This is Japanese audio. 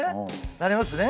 なりますね。